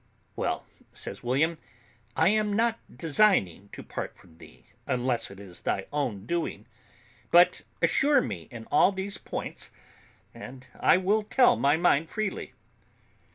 "Well," says William, "I am not designing to part from thee, unless it is thy own doing. But assure me in all these points, and I will tell my mind freely."